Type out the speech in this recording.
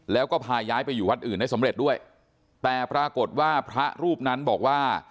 แล้วก็พาย้ายไปอยู่วัดอื่นได้สำเร็จด้วยแต่ปรากฏว่าพระรูปนั้นบอกว่า